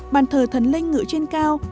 bàn thờ thần linh ngựa trên cao